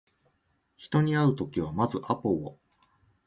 人に会うときはまずアポを